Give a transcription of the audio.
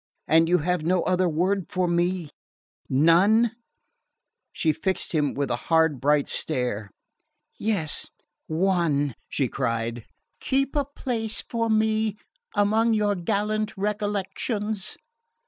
"And you have no other word for me none?" he faltered at last. She fixed him with a hard bright stare. "Yes one," she cried; "keep a place for me among your gallant recollections."